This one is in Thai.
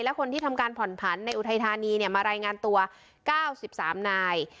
และคนที่ทำการผ่อนผันในอุทัยธานีมารายงานตัว๙๓นาย